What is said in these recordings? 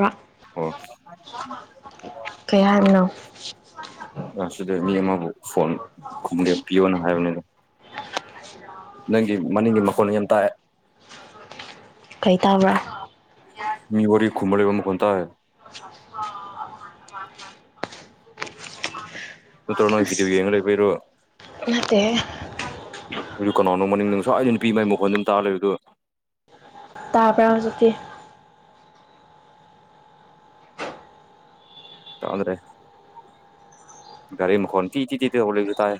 ꯋꯥ [unintelligible] ꯍꯣꯢ ꯀꯩ ꯍꯥꯏꯕꯅꯣ ꯉꯁꯤꯗ ꯃꯤ ꯑꯃꯃꯨꯕꯨ ꯐꯣꯟ ꯈꯨꯟꯂꯦꯄꯤꯌꯣꯅ ꯍꯥꯏꯕꯅꯦꯗ ꯅꯪꯒꯤ ꯃꯅꯤꯡꯒꯤ ꯃꯈꯣꯟ ꯌꯥꯝ ꯇꯥꯏꯑꯦ ꯀꯩ ꯇꯥꯕ꯭ꯔꯥ ꯃꯤ ꯑꯣꯏꯔꯤ ꯈꯨꯨꯝꯕ ꯂꯩꯕ ꯃꯈꯣꯟ ꯇꯥꯢꯌꯦ [unintelligible] ꯅꯠꯇ꯭ꯔꯥꯅ ꯅꯣꯢ ꯕꯤꯗꯤꯑꯣ ꯑꯁ ꯌꯦꯡꯉ ꯂꯩꯕꯩꯔꯣ ꯅꯠꯇꯦ ꯀꯅꯥꯅꯣ ꯃꯅꯤꯡꯗ ꯉꯥꯁꯥꯏꯗꯩ ꯅꯨꯄꯤ ꯃꯒꯤ ꯃꯈꯣꯟ ꯑꯗꯨꯝ ꯇꯥ ꯂꯩꯕꯗꯨ ꯇꯥꯕ꯭ꯔꯥ ꯍꯧꯖꯤꯛꯇꯤ꯫ ꯇꯥꯗ꯭ꯔꯦ ꯒꯥꯔꯤ ꯃꯈꯣꯟ ꯇꯤ ꯇꯤ ꯇꯤ ꯇꯧꯕ ꯂꯩꯕꯗꯨ ꯇꯥꯏ꯫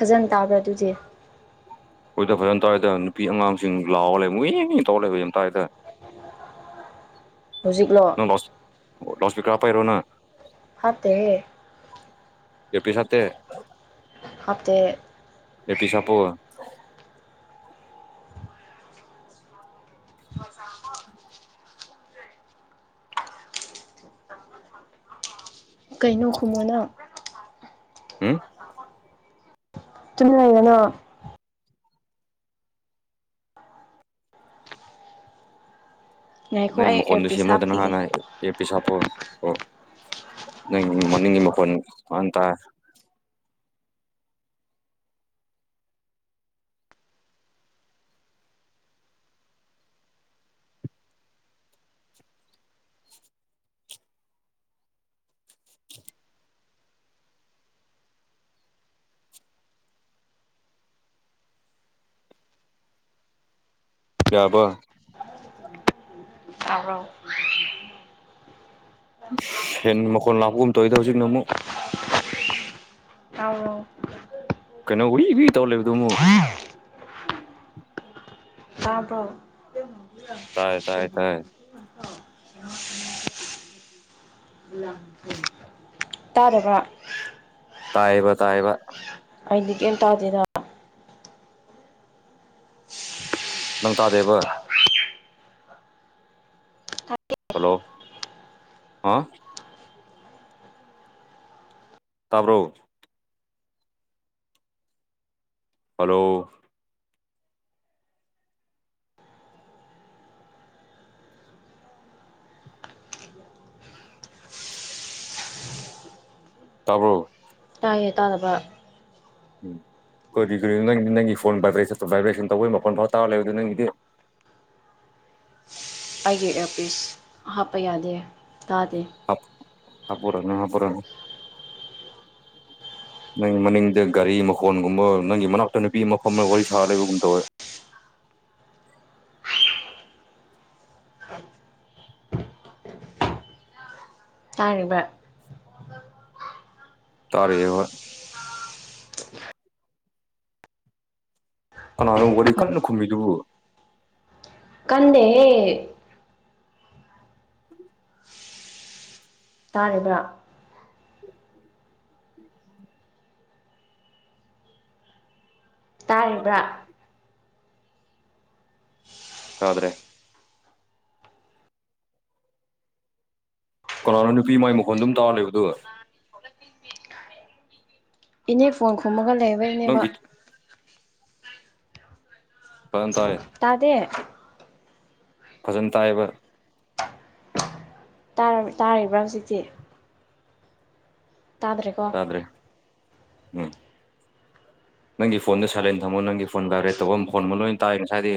ꯐꯖꯅ ꯇꯥꯕ꯭ꯔꯥ ꯑꯗꯨꯗꯤ꯫ ꯃꯣꯏꯗ ꯐꯖꯅ ꯇꯥꯌꯦꯗ ꯅꯨꯄꯤ ꯑꯉꯥꯡꯁꯤꯡ ꯂꯥꯎꯔꯒ ꯂꯩ ꯃꯣꯏꯌꯦ ꯇꯧꯔ ꯂꯩꯕꯗꯣ ꯇꯥꯥꯌꯦꯗ꯫ [inaudible] ꯍꯧꯖꯤꯛꯂꯣ꯫ ꯅꯪ ꯂꯥꯁ ꯂꯥꯁ ꯏꯁꯄꯤꯀꯔ ꯍꯥꯞꯄꯩꯔꯣ ꯅꯪ ꯍꯥꯞꯇꯦꯍꯦ꯫ ꯑꯦꯌꯔ ꯄꯤꯁ ꯍꯥꯞꯇꯦ꯫ ꯍꯥꯞꯇꯦ꯫ ꯑꯦꯌꯔꯄꯤꯁ ꯍꯥꯞꯄꯣ꯫ ꯀꯩꯅꯣ ꯈꯨꯝꯃꯣꯅꯥ꯫ ꯎꯝ꯫ ꯇꯨꯃꯤꯟ ꯂꯩꯒꯅꯣ꯫ ꯉꯥꯏꯈꯣ ꯅꯩ ꯑꯩ ꯃꯈꯣꯟꯗꯣ ꯏꯌꯔꯄꯤꯁ ꯁꯦꯝꯃꯣꯗꯅ ꯍꯥꯞꯈꯤꯒꯦ ꯍꯥꯟꯅ꯫ ꯑꯦꯌꯔꯄꯤꯁ ꯍꯥꯞꯄꯣ ꯅꯪꯒꯤ ꯃꯅꯤꯡꯒꯤ ꯃꯈꯣꯟ ꯐꯖꯅ ꯇꯥꯑꯦ꯫ ꯌꯥꯔꯕ꯫ ꯇꯥꯕ꯭ꯔꯣ꯫ ꯎꯁ ꯐꯦꯟ ꯃꯈꯣꯟ ꯂꯥꯛꯄꯒꯨꯝ ꯇꯧꯔꯤꯗ ꯍꯧꯖꯤꯛꯅ ꯑꯃꯨꯛ꯫ ꯎꯝ꯫ ꯀꯩꯅꯣ ꯎꯋꯏ ꯏ ꯇꯧꯔ ꯂꯩꯕꯗꯨꯨ ꯇꯥꯕ꯭ꯔꯣ꯫ [unintelligible] ꯇꯥꯏ ꯇꯥꯏ ꯇꯥꯏ꯫ ꯇꯥꯔꯕ꯫ ꯇꯥꯏꯕ ꯇꯥꯏꯕ꯫ ꯑꯩꯗꯤ ꯀꯩꯝ ꯇꯥꯗꯦꯅ꯫ ꯅꯪꯇꯥꯗꯦꯕ꯫ ꯍꯥꯜꯂꯣ ꯍꯥ ꯇꯥꯕ꯭ꯔꯣ꯫ ꯍꯥꯜꯂꯣ꯫ ꯇꯥꯕ꯭ꯔꯣ꯫ ꯇꯥꯏꯌꯦ ꯇꯥꯗꯕ꯫ ꯎꯝ ꯀꯣꯏꯔꯤ ꯀꯔꯤ ꯅꯪꯗꯤ ꯅꯪꯒꯤ ꯐꯣꯟ ꯚꯥꯏꯕ꯭ꯔꯦꯁꯟ ꯚꯥꯏꯕ꯭ꯔꯦꯁꯟ ꯇꯧꯕꯩ ꯃꯄꯣꯟ ꯐꯥꯎ ꯇꯥꯔ ꯂꯩꯕꯣ ꯅꯪꯒꯤꯗꯤ꯫ ꯑꯩꯒꯤ ꯑꯦꯌꯥꯔꯄꯤꯁ ꯍꯥꯞꯄ ꯌꯥꯗꯦ ꯇꯥꯗꯦ꯫ ꯍꯥꯞ ꯍꯥꯞꯄꯣꯔꯅꯣ ꯍꯥꯞꯄꯣꯔꯅꯣ꯫ ꯅꯪꯒꯤ ꯃꯅꯤꯡꯗ ꯒꯥꯔꯤ ꯃꯈꯣꯟꯜꯒꯨꯝꯕ ꯅꯪꯒꯤ ꯃꯅꯥꯛꯇ ꯅꯨꯄꯤ ꯃꯐꯝ ꯑꯃ ꯋꯥꯔꯤ ꯁꯥꯔꯒ ꯂꯩꯕꯒꯨꯝ ꯇꯧꯋꯦ꯫ ꯇꯥꯔꯤꯕ꯫ ꯇꯥꯔꯤꯏꯕ꯫ ꯀꯅꯥꯅꯣ ꯋꯥꯔꯤ ꯀꯟꯅ ꯈꯨꯝꯃꯤꯗꯨꯕꯨ꯫ ꯀꯥꯟꯗꯦꯍꯦ꯫ ꯇꯥꯔꯤꯕ꯭ꯔꯥ꯫ ꯇꯥꯔꯤꯕ꯭ꯔꯥ꯫ ꯇꯥꯗ꯭ꯔꯦ꯫ ꯀꯅꯥꯅꯣ ꯅꯨꯄꯤ ꯃꯥꯒꯤ ꯃꯈꯣꯟ ꯑꯗꯨꯝ ꯇꯥꯔ ꯂꯩꯕꯗꯨ꯫ ꯏꯅꯦ ꯐꯣꯟ ꯈꯨꯝꯃꯒ ꯂꯩꯕꯩꯅꯦꯕ꯫ ꯅꯪꯒꯤ [unintelligible] ꯇꯥꯗꯦ꯫ ꯐꯖꯅ ꯇꯥꯏꯕ ꯇꯥ-ꯇꯥꯔꯤꯕ꯭ꯔꯥ ꯍꯧꯖꯤꯛꯇꯤ꯫ ꯇꯥꯗ꯭ꯔꯦꯀꯣ ꯇꯗ꯭ꯔꯦ ꯎꯝ ꯅꯪꯒꯤ ꯐꯣꯟꯗꯣ ꯁꯥꯏꯂꯦꯟ ꯊꯝꯃꯣ ꯅꯪꯒꯤ ꯐꯣꯟ ꯗꯥꯏꯔꯦꯠ ꯇꯧꯕ ꯑꯃ ꯐꯣꯟ ꯑꯃ ꯂꯣꯏ ꯇꯥꯏ ꯉꯁꯥꯏꯗꯤ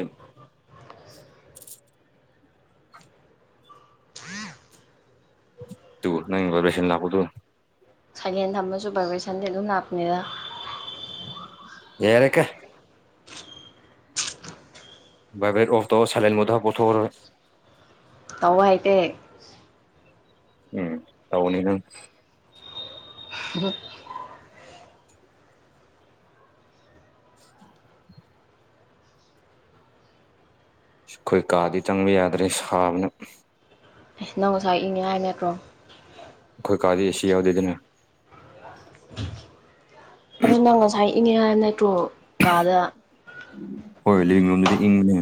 ꯇꯨ [unintelligible] ꯇꯨ ꯁꯥꯏꯂꯦꯟ ꯊꯝꯃꯁꯨ ꯕꯥꯏꯕ꯭ꯔꯦꯁꯟꯗꯤ ꯑꯗꯨꯝ ꯂꯥꯛꯄꯅꯤꯗ ꯌꯥꯔꯦꯀ꯫ ꯚꯥꯏꯕ꯭ꯔꯦꯠ ꯑꯣꯐ ꯇꯧꯑꯣ ꯁꯥꯏꯂꯦꯟ ꯃꯣꯗ ꯄꯥꯞꯄꯣ ꯊꯣꯛꯔꯒ꯫ ꯇꯧꯕ ꯍꯩꯇꯦ꯫ ꯎꯝ ꯇꯧꯅꯤ ꯅꯪ [unintelligible] ꯁꯤ ꯑꯩꯈꯣꯏ ꯀꯥꯗꯤ ꯆꯪꯕ ꯌꯥꯗ꯭ꯔꯦ ꯁꯥꯕꯅ꯫ ꯑꯁ ꯅꯪ ꯉꯁꯥꯏ ꯏꯪꯉꯦ ꯍꯥꯏ ꯅꯠꯇ꯭ꯔꯣ ꯑꯈꯣꯏ ꯀꯥꯗꯤ ꯑꯦꯁꯤ ꯌꯥꯎꯗꯦꯗꯅ ꯑꯗꯨ ꯅꯪ ꯉꯁꯥꯏ ꯏꯪꯉꯦ ꯍꯥꯏꯕ ꯅꯦꯇ꯭ꯔꯣ ꯀꯥꯗ꯫ ꯍꯣꯏ ꯂꯤꯕꯤꯡ ꯔꯨꯝꯗꯨꯗꯤ ꯏꯪꯕꯅꯦ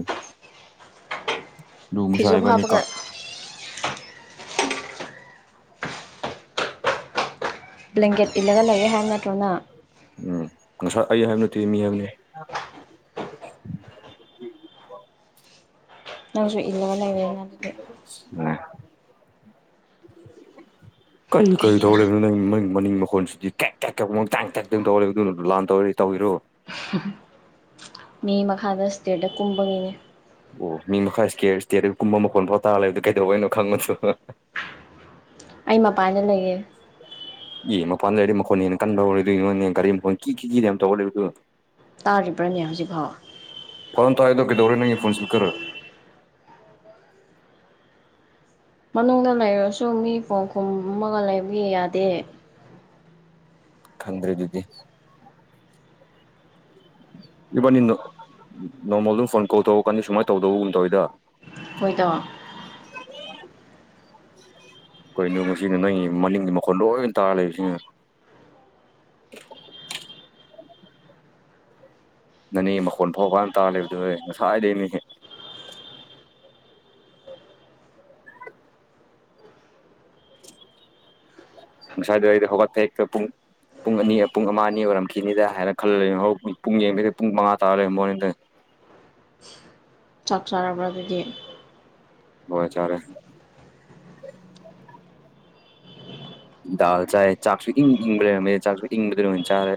ꯅꯣꯡꯁꯥ ꯐꯤꯖꯣꯞ ꯏꯕꯅꯤ ꯀꯥ ꯍꯥꯞꯄꯒ ꯕ꯭ꯂꯦꯡꯀꯦꯠ ꯏꯜꯂꯒ ꯂꯩꯌꯦ ꯍꯥꯏ ꯅꯠꯇ꯭ꯔꯣ ꯅꯪ ꯎꯝ ꯉꯁꯥꯏ ꯑꯩ ꯍꯥꯏꯕ ꯅꯠꯇꯦ ꯃꯤ ꯍꯥꯏꯕꯅꯤ꯫ ꯅꯪꯁꯨ ꯏꯜꯂꯒ ꯂꯩꯔꯦꯅ ꯑꯗꯨꯗꯤ꯫ [unintelligible] ꯀꯔꯤ ꯀꯔꯤ ꯇꯧ ꯀꯩꯒꯤꯅꯣ ꯂꯩꯕꯅꯣ ꯅꯪ ꯃꯪ ꯃꯅꯤꯡ ꯃꯈꯣꯟꯁꯤꯗꯤ ꯀꯦꯛ ꯀꯦꯛ ꯀꯪ ꯇꯥꯡ ꯀꯦꯛ ꯇꯪ ꯇꯧꯔꯦꯕ ꯑꯗꯨꯅ ꯂꯥꯟ ꯇꯧꯔ ꯇꯧꯔꯤꯔꯣ ꯃꯤ ꯃꯈꯥꯗ ꯁ꯭ꯇꯦꯔꯗ ꯀꯨꯝꯕꯅꯤꯅꯦ ꯑꯣ ꯃꯤ ꯃꯈꯥ ꯏꯁꯀꯦꯔ ꯏꯁꯇꯦꯔꯗ ꯀꯨꯝꯕ ꯃꯈꯣꯟ ꯐꯥꯎ ꯇꯥꯔ ꯂꯩꯕꯣ ꯀꯩꯗꯧꯕꯩꯅꯣ ꯈꯪꯕꯗꯨ꯫ ꯑꯩ ꯃꯄꯥꯟꯗ ꯂꯩꯌꯦ [unintelligible] ꯑꯦ ꯃꯄꯥꯟ ꯂꯩꯔꯗꯤ ꯃꯈꯣꯟ ꯍꯦꯅ ꯀꯟꯕ ꯍꯧꯔꯗꯤ [unintelligible] ꯇꯥꯔꯤꯕ꯭ꯔꯥꯅꯦ ꯍꯧꯖꯤꯛꯐꯥꯎ꯫ ꯐꯣꯟ ꯇꯧꯔꯩꯗꯣ ꯀꯩꯗꯧꯔꯦ ꯅꯪꯒꯤ ꯐꯣꯟ ꯁ꯭ꯄꯤꯛꯀꯔ ꯃꯅꯨꯡꯗ ꯂꯩꯔꯁꯨ ꯃꯤ ꯐꯣꯟ ꯈꯨꯝꯃꯒ ꯂꯩꯕꯒꯤ ꯌꯥꯗꯦ꯫ ꯈꯪꯗ꯭ꯔꯦ ꯑꯗꯨꯗꯤ ꯏꯕꯥꯅꯤ ꯅꯣꯡꯃꯗꯨ ꯐꯣꯟ ꯀꯣꯜ ꯇꯧꯔꯀꯥꯟꯅꯤ ꯁꯨꯃꯥꯏꯅ ꯇꯧꯗꯧꯕꯒꯨꯝ ꯇꯧꯋꯤꯗ ꯍꯣꯏꯗꯣ꯫ [inaudible] ꯀꯩꯅꯣ ꯉꯁꯤꯅ ꯅꯪꯒꯤ ꯃꯅꯤꯡꯒꯤ ꯃꯈꯣꯟ ꯂꯣꯏꯅ ꯇꯥꯔ ꯂꯩꯕꯁꯤꯅ꯫ ꯅꯪꯅꯦ ꯃꯈꯣꯟ ꯐꯥꯎꯕ ꯀꯗ ꯇꯥꯜꯂꯤꯕꯗꯨ ꯉꯁꯥꯏꯗꯩꯅꯤꯍꯦ ꯉꯁꯥꯏꯗꯣ ꯑꯩꯗꯣ ꯍꯧꯒꯠꯄ ꯍꯦꯛꯇ ꯄꯨꯡ ꯄꯨꯡ ꯑꯅꯤ ꯄꯨꯡ ꯑꯃ ꯑꯅꯤ ꯑꯣꯏꯔꯝꯈꯤꯅꯤꯗ ꯍꯥꯏꯅ ꯈꯜꯂ ꯂꯩ [unintelligible] ꯄꯨꯡ ꯌꯦꯡꯕꯗ ꯄꯨꯡ ꯃꯉꯥ ꯇꯥꯔ ꯂꯩꯔꯝꯕ ꯋꯥꯅꯤꯗ꯫ ꯆꯥꯛ ꯆꯥꯔꯕ꯭ꯔ ꯑꯗꯨꯗꯤ ꯍꯋꯥꯏ ꯆꯥꯔꯦ꯫ ꯗꯥꯜ ꯆꯥꯏ ꯆꯥꯛꯁꯨ ꯏꯪ ꯢꯪ ꯂꯩꯔꯝꯃꯦ ꯆꯥꯛꯁꯨ ꯢꯪꯕꯗꯨ ꯑꯣꯢꯅ ꯆꯥꯔꯦ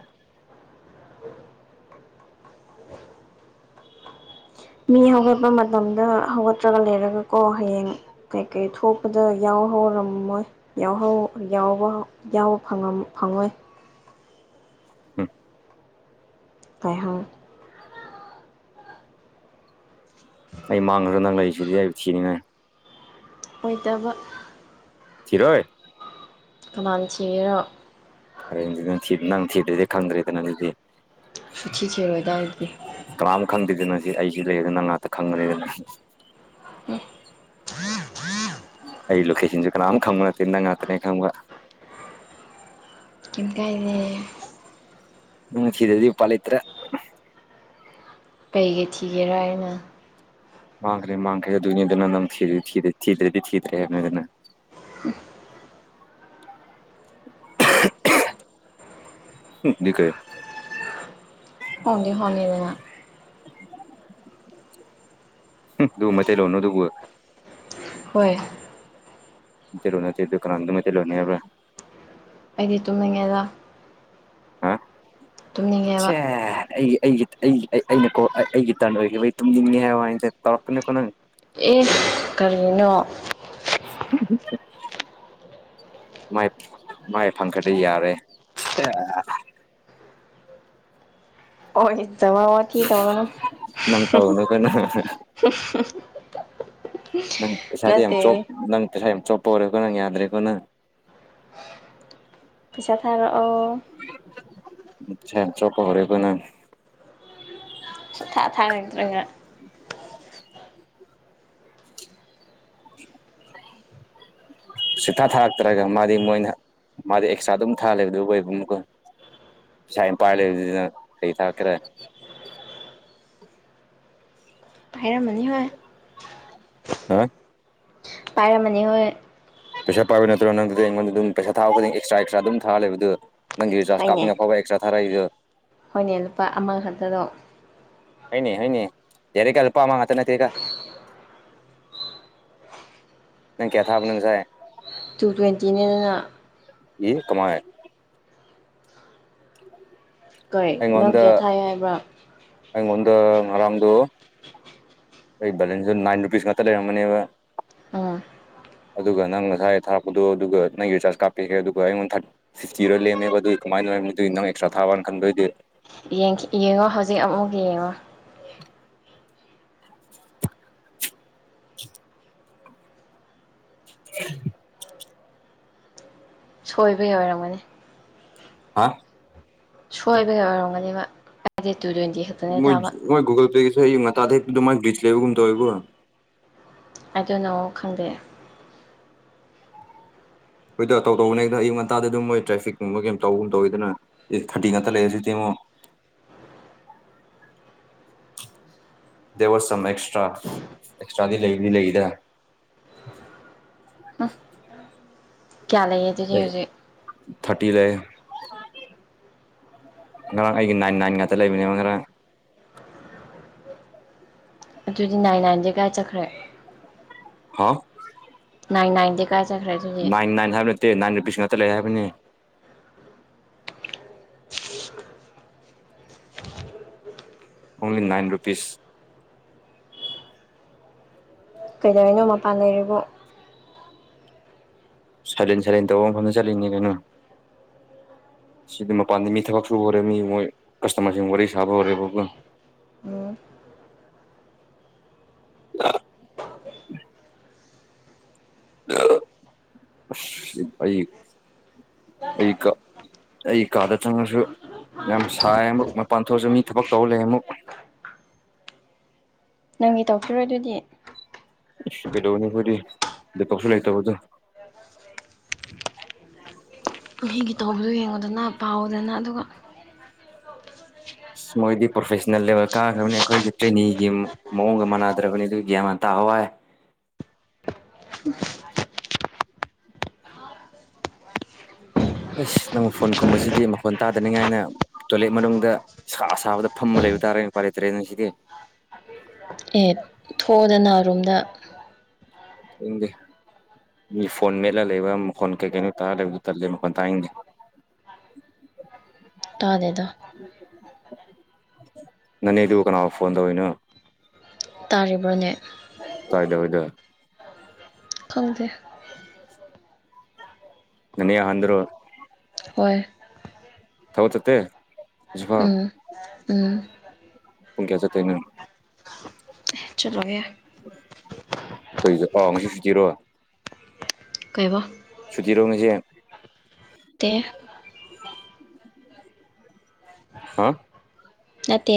ꯃꯤ ꯍꯧꯒꯠꯄ ꯃꯇꯝꯗ ꯍꯧꯒꯠꯇ꯭ꯔꯒ ꯂꯩꯔꯒꯀꯣ ꯍꯌꯦꯡ ꯀꯩꯀꯩ ꯊꯣꯛꯄꯗ ꯌꯥꯎ ꯍꯧꯔꯝꯃꯣꯏ ꯌꯥꯎꯍꯧ ꯌꯥꯎꯕ ꯌꯥꯎꯕ ꯐꯪ ꯐꯪꯉꯣꯏ ꯎꯝ ꯀꯥꯏꯍꯥꯡ [unintelligible] ꯑꯩ ꯃꯥꯡꯈ꯭ꯔꯁꯨ ꯅꯪ ꯂꯩꯔꯤꯁꯤꯗꯤ ꯑꯩ ꯊꯤꯅꯤꯡꯉꯥꯏ ꯑꯣꯏꯗꯕ ꯊꯤꯔꯣꯏ ꯀꯅꯥ ꯊꯤꯒꯦꯔꯣ ꯐꯔꯦꯅꯦ ꯑꯗꯨꯗꯤ ꯅꯪ ꯊꯤꯗ꯭ꯔꯗꯤ ꯈꯪꯗ꯭ꯔꯦꯗꯅ ꯑꯗꯨꯗꯤ ꯁꯨꯡꯊꯤ ꯊꯤꯔꯣꯢꯗ ꯑꯩꯗꯤ ꯀꯅꯥꯝ ꯈꯪꯗꯦꯗꯅ ꯁꯤ ꯑꯩꯒꯤ ꯂꯩꯔꯦꯗꯅ ꯅꯪ ꯉꯥꯛꯇ ꯈꯪꯒꯅꯤꯅ ꯎꯝ ꯑꯩ ꯂꯣꯀꯦꯁꯟꯁꯨ ꯀꯅꯥꯝ ꯈꯪꯕ ꯅꯠꯇꯦ ꯅꯪ ꯉꯥꯛꯇꯅꯦ ꯈꯪꯕ ꯀꯤꯝ ꯀꯥꯢꯗꯦ ꯅꯪꯅ ꯊꯤꯗ꯭ꯔꯗꯤ ꯎꯄꯥꯢ ꯂꯩꯇ꯭ꯔꯦ ꯀꯩꯀꯩ ꯊꯤꯒꯦꯔꯥ ꯑꯩꯅ ꯃꯥꯡꯈ꯭ꯔꯦ ꯃꯥꯡꯈ꯭ꯔꯦ ꯑꯗꯨꯅꯤꯗꯅ ꯅꯪ ꯊꯤ ꯊꯤꯗ꯭ꯔꯦꯗꯤ ꯊꯤꯗ꯭ꯔꯦ ꯊꯤꯗ꯭ꯔꯦꯗꯅ ꯑꯗꯨꯅꯤꯗꯅ ꯀꯥꯏ [unintelligible] ꯈꯪꯗꯤ ꯈꯪꯉꯤꯗꯅ ꯑꯗꯨ ꯃꯩꯇꯩ ꯂꯣꯜꯂꯣ ꯑꯗꯨꯕꯨ ꯍꯣꯏ ꯇꯤꯂꯣ ꯅꯠꯇꯦꯗꯨ ꯀꯅꯅꯥ ꯃꯩꯇꯩ ꯂꯣꯜ ꯅꯩꯇꯦ ꯍꯥꯏꯕ꯭ꯔꯥ ꯑꯩꯗꯤ ꯇꯨꯝꯅꯤꯡꯉꯦꯗ ꯍꯥ ꯇꯨꯝꯅꯤꯡꯉꯦꯕ ꯁꯦ ꯑꯩ ꯑꯩ ꯑꯩ ꯑꯩꯅꯀꯣ ꯑꯩꯒꯤ ꯇꯔꯥꯟ ꯑꯣꯏꯈꯤꯕ ꯑꯩ ꯇꯨꯝꯅꯤꯡꯉꯦ ꯍꯥꯏꯕ ꯍꯥꯏꯁꯦ ꯇꯧꯔꯛꯒꯅꯨꯀꯣ ꯅꯪ ꯑꯦ ꯀꯔꯤꯅꯣ ꯎꯝ [unintelligible] ꯥꯏ ꯃꯥꯏ ꯐꯪꯈ꯭ꯔꯗꯤ ꯌꯥꯔꯦ ꯑꯣ ꯆꯥꯕ ꯋꯥꯊꯤ ꯇꯧꯔꯅꯨ ꯅꯪ ꯇꯧꯅꯨꯀꯣ ꯅꯪ [unintelligible] ꯅꯪ ꯄꯩꯁꯥꯗꯤ ꯌꯥꯝ ꯅꯠꯇꯦ ꯆꯣꯞ ꯅꯪ ꯄꯩꯁꯥ ꯌꯥꯝ ꯆꯣꯞꯄ ꯑꯣꯏꯔꯦꯀꯣ ꯅꯪ ꯌꯥꯗ꯭ꯔꯦꯀꯣ ꯅꯪ ꯄꯩꯁꯥ ꯊꯥꯔꯛꯑꯣ ꯄꯩꯁꯥ ꯌꯥꯝ ꯆꯣꯞꯄ ꯍꯧꯔꯦꯒꯣ ꯅꯪ ꯁꯨꯡꯊꯥ ꯊꯥꯔꯛꯇ꯭ꯔꯒ ꯁꯨꯡꯊꯥ ꯊꯥꯔꯛꯇ꯭ꯔꯒ ꯃꯥꯗꯤ ꯃꯣꯏꯅ ꯃꯥꯗꯤ ꯑꯦꯛꯁꯇ꯭ꯔꯥ ꯑꯗꯨꯝ ꯊꯥ ꯂꯩꯗꯨꯕꯨ ꯑꯃꯨꯛꯒ ꯄꯩꯁꯥ ꯌꯥꯝ ꯄꯥꯢ ꯂꯩꯔꯗꯨꯗ ꯀꯩ ꯑꯃꯨꯛ ꯊꯥꯔꯛꯒꯦꯔ ꯍꯥꯏꯔꯝꯃꯅꯤ ꯍꯣꯏ ꯍꯥꯥ ꯄꯥꯏꯔꯝꯃꯅꯤ ꯍꯣꯢ ꯄꯩꯁꯥꯥ ꯄꯥꯢꯕ ꯅꯠꯇ꯭ꯔꯣ ꯅꯪꯗꯤ ꯑꯩꯉꯣꯟꯗ ꯑꯗꯨꯝ ꯄꯩꯁꯥ ꯊꯥꯔꯗꯤ ꯑꯦꯁ꯭ꯇꯔ ꯑꯦꯁ꯭ꯇꯔ ꯑꯗꯨꯝ ꯊꯥꯔ ꯂꯩꯕꯗꯨ ꯅꯪꯒꯤ ꯔꯤꯆꯥꯔ ꯍꯣꯏꯅꯦ ꯀꯥꯞꯅꯐꯥꯎ ꯑꯦꯛꯇꯁ꯭ꯔ ꯊꯥꯔꯛꯢꯗꯣ ꯍꯣꯏꯅꯦ ꯂꯨꯄꯥ ꯑꯃ ꯈꯛꯇꯗꯣ ꯍꯣꯢꯅꯦ ꯍꯣꯢꯅꯦ ꯌꯥꯔꯦꯒꯣ ꯂꯨꯄꯥ ꯑꯃꯉꯥ ꯈꯥꯛꯇ ꯅꯠꯇꯦꯗ ꯅꯪ ꯀꯌꯥ ꯊꯕꯅꯣ ꯅꯪ ꯉꯁꯥꯢ ꯇꯨ ꯇ꯭ꯋꯦꯟꯇꯤꯅꯗꯅ ꯌꯦ ꯀꯃꯥꯏ ꯀꯩ ꯅꯪ ꯑꯩꯉꯣꯟꯗ ꯀ꯭ꯌꯥ ꯊꯥꯏ ꯍꯥꯏꯕ꯭ꯔꯥ ꯑꯩꯉꯣꯟꯗ ꯉꯔꯥꯡꯗꯣ ꯑꯩ ꯕꯦꯂꯦꯟꯁꯇꯣ ꯅꯥꯏꯟ ꯔꯨꯄꯤꯁ ꯉꯥꯛꯇ ꯂꯩꯔꯝꯒꯅꯦꯕ ꯎꯝ ꯑꯗꯨꯒ ꯅꯪ ꯉꯁꯥꯏ ꯊꯥꯔꯛꯄꯗꯣ ꯑꯗꯨꯒ ꯅꯪ ꯔꯤꯆꯥꯔꯖ ꯀꯥꯞꯄꯤꯒ꯭ꯔꯦ ꯑꯗꯨꯒ ꯑꯩꯉꯣꯟꯗꯥ ꯐꯤꯐꯇꯤꯔ ꯂꯦꯝꯃꯦꯕ ꯑꯗꯨꯒꯤ ꯀꯃꯥꯏꯅ ꯑꯗꯨꯒꯤ ꯅꯪ ꯑꯦꯛꯁꯇ꯭ꯔꯥ ꯊꯥꯕꯅ ꯈꯟꯗꯣꯏꯗꯤ ꯌꯦꯡꯉꯣ ꯍꯧꯖꯤꯛ ꯑꯃꯨꯛ ꯌꯦꯡꯉꯣ [inaudible] [unintelligible] ꯁꯣꯏꯕꯩ ꯑꯣꯏꯔꯝꯒꯅꯤ ꯍꯥ ꯁꯣꯏꯕꯒꯤ ꯑꯣꯏꯔꯝꯒꯅꯦꯕ ꯇꯨ ꯇ꯭ꯋꯦꯟꯇꯤ ꯈꯛꯇꯅꯦ ꯃꯣꯏ ꯊꯥꯕ ꯃꯣꯏ ꯒꯨꯒꯜ ꯄꯦꯒꯤꯁꯨ ꯑꯩꯌꯨꯛ ꯉꯟꯇꯥꯗꯩ ꯑꯗꯨꯃꯥꯏ ꯒꯂꯤꯠꯁ ꯂꯩꯕꯒꯨꯝ ꯇꯧꯋꯦꯕꯣ ꯑꯥꯏ ꯗꯣꯟꯅꯣ ꯈꯪꯗꯦ ꯍꯣꯏꯗ ꯇꯧ ꯇꯧꯕꯅꯦꯗ ꯑꯌꯨ ꯉꯟꯇꯗ ꯃꯣꯏ ꯇ꯭ꯔꯥꯐꯤꯛꯀꯨꯝꯕ ꯀꯩꯝ ꯇꯧꯒꯨꯝ ꯇꯧꯋꯦꯗꯅ ꯑꯥꯏꯠ ꯊꯥꯔꯇꯤ ꯉꯥꯛꯇ ꯂꯩꯌꯦ [unintelligible] ꯗꯦ ꯋꯥꯁ ꯁꯝ ꯑꯦꯛꯁꯇ꯭ꯔꯥ ꯑꯦꯛꯁꯇ꯭ꯔꯥꯗꯤ ꯂꯩꯗꯤ ꯂꯩꯗ ꯎꯝ ꯀꯌꯥ ꯂꯩꯌꯦ ꯑꯗꯨꯗꯤ ꯑꯩ ꯍꯨꯖꯤꯛ ꯊꯥꯔꯇꯤ ꯂꯩ ꯉꯔꯥꯡ ꯑꯩꯒꯤ ꯅꯥꯏꯟ ꯅꯥꯏꯟ ꯉꯥꯛꯇ ꯂꯩꯕꯅꯦꯕ ꯉꯔꯥꯡ ꯑꯗꯨꯗꯤ ꯅꯥꯏ ꯅꯥꯏꯟꯗꯤ ꯀꯔꯥꯏ ꯆꯠꯈ꯭ꯔꯦ ꯍꯥ ꯅꯥꯏꯟ ꯅꯥꯏꯟ ꯥꯀꯗꯥꯏ ꯆꯠꯈ꯭ꯔꯦ ꯑꯗꯨꯗꯤ ꯅꯥꯏꯟ ꯅꯥꯏꯟ ꯍꯥꯏꯕ ꯅꯠꯇꯦ ꯅꯥꯏ ꯔꯨꯄꯤꯁ ꯉꯥꯛꯇ ꯂꯩ ꯍꯥꯏꯕꯅꯤ ꯑꯣꯡꯂꯤ ꯅꯥꯏꯟ ꯔꯨꯄꯤꯁ ꯀꯩꯗꯧꯔꯤꯅꯣ ꯃꯄꯥꯟ ꯂꯩꯔꯤꯕꯣ ꯁꯥꯏꯂꯦꯟ ꯁꯥꯏꯂꯦꯟ ꯇꯧꯕ ꯃꯐꯝꯗ ꯆꯠꯂꯤꯅꯤ ꯀꯩꯅꯣ ꯁꯤꯗꯤ ꯃꯄꯥꯟꯗ ꯃꯤ ꯊꯕꯛ ꯁꯨꯕꯔꯦ ꯃꯤ ꯃꯣꯏ ꯀꯁꯇꯃꯔꯁꯤꯡ ꯋꯥꯔꯤ ꯁꯥꯕ ꯍꯧꯔꯦꯕ ꯎꯝ [unintelligible] [unintelligible] ꯑꯩ ꯑꯩ [unintelligible] ꯑꯩ ꯀꯥꯗ ꯆꯪꯉꯁꯨ ꯌꯥꯝ ꯁꯥꯏ ꯑꯃꯨꯛ ꯃꯄꯥꯟ ꯊꯣꯛꯑꯁꯨ ꯃꯤ ꯊꯕꯛ ꯇꯧ ꯂꯩ ꯑꯃꯨꯛ ꯅꯪꯒꯤ ꯇꯧꯈꯤꯔꯣꯏ ꯑꯗꯨꯗꯤ ꯀꯩꯗꯧꯅꯤ ꯑꯩꯈꯣꯏꯗꯤ ꯂꯦꯞꯂꯣꯛꯁꯨ ꯂꯩꯇꯕꯗꯨ ꯃꯤꯒꯤ ꯇꯧꯕꯗꯨ ꯌꯦꯡꯉꯣꯗꯅ ꯄꯥꯎꯗꯅ ꯑꯗꯨꯒ ꯃꯣꯏꯗꯤ ꯄ꯭ꯔꯣꯐꯦꯁꯅꯦꯜ ꯂꯦꯕꯦꯜ ꯀꯥꯈ꯭ꯔꯕꯅꯤ ꯑꯩꯈꯣꯏꯗꯤ ꯇ꯭ꯔꯦꯅꯤꯒꯤ ꯑꯃꯨꯛ ꯃꯑꯣꯡꯒ ꯃꯥꯟꯅꯗ꯭ꯔꯕꯅꯤ ꯑꯗꯨꯒꯤ꯭ꯌꯥꯃ ꯇꯥꯋꯥꯏ ꯑꯁ ꯅꯪ ꯐꯣꯟ ꯀꯨꯝꯕꯁꯤꯗꯤ ꯃꯈꯣꯟ ꯇꯥꯗꯅꯤꯡꯉꯥꯏꯅ ꯇꯣꯏꯂꯦꯠ ꯃꯅꯨꯡꯗꯥ ꯑꯁꯥ ꯁꯥꯕꯗ ꯐꯝꯃ ꯂꯩꯕ ꯇꯥꯔꯦꯅ ꯑꯄꯥꯏ ꯂꯩꯇ꯭ꯔꯦꯅ ꯁꯤꯗꯤ ꯑꯦ ꯊꯣꯛꯑꯣꯗꯅ ꯔꯨꯝꯗ ꯏꯪꯗꯤꯦ ꯃꯤ ꯐꯣꯟ ꯃꯦꯠꯜꯂ ꯂꯩꯕ ꯃꯈꯣꯟ ꯀꯩ ꯀꯩꯅꯣ ꯇꯥꯔ ꯂꯩꯕꯗꯨ ꯇꯜꯂꯦ ꯃꯈꯣꯟ ꯇꯥꯅꯤꯡꯗꯦ [unintelligible] ꯇꯥꯗꯦꯗ ꯅꯥꯅꯦꯗꯨꯒ ꯀꯥꯟꯅꯥꯒ ꯐꯣꯟ ꯇꯧꯔꯤꯅꯣ ꯇꯥꯔꯤꯕꯅꯦ [unintelligible] ꯈꯪꯗꯦ ꯅꯥꯅꯦ ꯑꯍꯟ꯭ꯔꯣ ꯍꯣꯏ ꯊꯕꯛ ꯆꯠꯇꯦ ꯍꯧꯖꯤꯛꯐꯥꯎ ꯎꯝ ꯎꯝ ꯄꯨꯡ ꯀꯌꯥ ꯆꯠꯇꯣꯏꯅꯣ ꯆꯠꯂꯣꯢꯑꯦ ꯀꯩꯒꯤ ꯑꯥ ꯉꯁꯤ ꯁꯨꯇꯤꯔꯣ ꯀꯩꯑꯥꯕ ꯁꯨꯇꯤꯔꯣꯉꯁꯤ ꯅꯠꯇꯦ ꯍꯥ ꯅꯠꯇꯦ